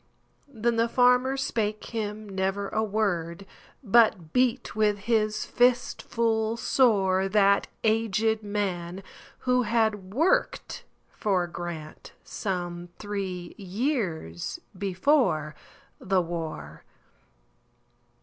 Then the farmer spake him never a word, But beat with his fist full soreThat aged man, who had worked for GrantSome three years before the war.